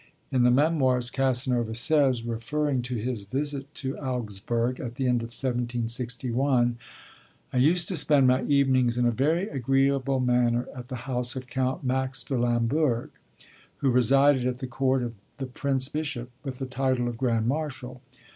In the Memoirs Casanova says, referring to his visit to Augsburg at the end of 1761: I used to spend my evenings in a very agreeable manner at the house of Count Max de Lamberg, who resided at the court of the Prince Bishop with the title of Grand Marshal.